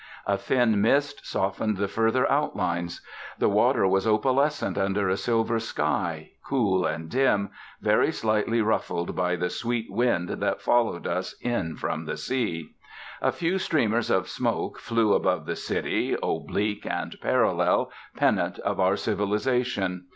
A thin mist softened the further outlines. The water was opalescent under a silver sky, cool and dim, very slightly ruffled by the sweet wind that followed us in from the sea. A few streamers of smoke flew above the city, oblique and parallel, pennants of our civilisation.